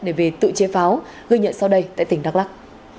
để về tự chế pháo ghi nhận sau đây tại tỉnh đắk lắc